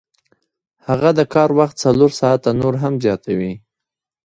هغه د کار وخت څلور ساعته نور هم زیاتوي